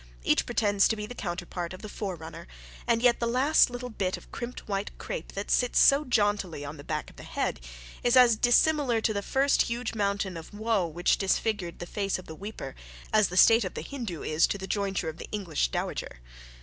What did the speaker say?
Each pretends to be the counterpart of the forerunner, and yet the last little bit of crimped white crape that sits so jauntily on the back of the head, is as dissimilar to the first huge mountain of woe which disfigured the face of the weeper, as the state of the Hindoo is to the jointure of the English dowager.